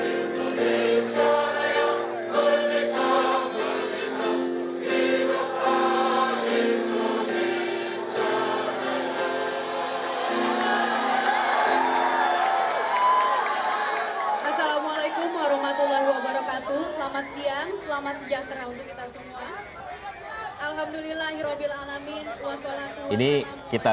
indonesia raya berdeka berdeka para budak itu yang kusinta